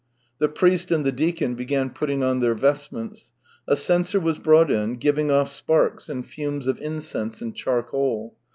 The priest and the deacon began putting on their vestments. A censor was brought in, giving off sparks and fumes of incense and charcoal.